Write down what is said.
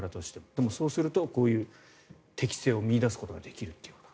でも、そうするとこういう適性を見いだすことができると。